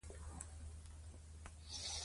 ایوب خان به خېمې ودرولي.